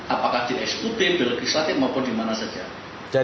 apakah di sud di legislatif maupun di mana saja